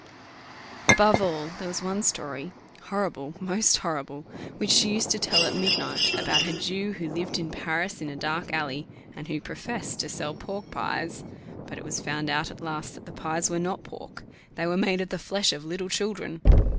Above all others, there was one story horrible! most horrible! which she used to tell at midnight, about a Jew who lived in Paris in a dark alley, and who professed to sell pork pies; but it was found out at last that the pies were not pork they were made of the flesh of little children.